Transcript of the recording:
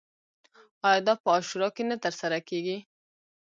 آیا دا په عاشورا کې نه ترسره کیږي؟